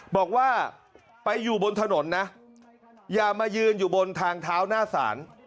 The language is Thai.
บอกว่าไปอยู่บนถนนนะอย่ามายืนอยู่บนทางเท้าหน้าศาล